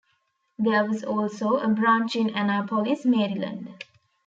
There was also a branch in Annapolis, Maryland.